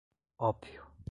ópio